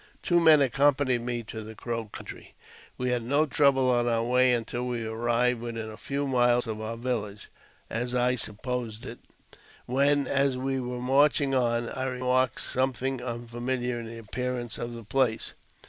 Two men accompanied me to the Crow country. We had no trouble on our way until we arrived within a few miles of our village (as I supposed it), when, as we were marching on, I 12 178 AUTOBIOGRAPHY OF I remarked something unfamiliar in the appearance of the place.